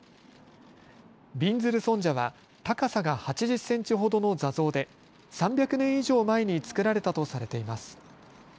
びんずる尊者は高さが８０センチほどの座像で３００年以上前に作られたとされています。